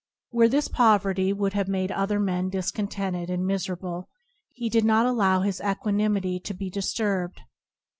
Where this poverty would have made other men discontented and miser able, he did not allow his equanimity to be disturbed."